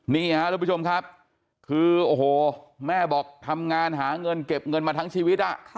นี่ครับทุกผู้ชมครับคือโอ้โหแม่บอกทำงานหาเงินเก็บเงินมาทั้งชีวิต